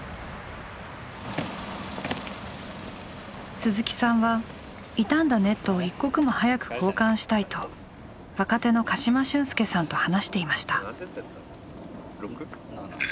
鈴木さんは傷んだネットを一刻も早く交換したいと若手の鹿島峻介さんと話していました。